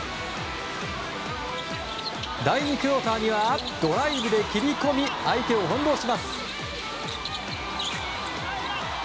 第２クオーターにはドライブで切り込み相手をほんろうします。